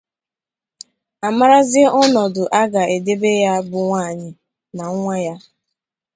a marazie ọnọdụ a ga-edebe ya bụ nwaanyị na nwa ya.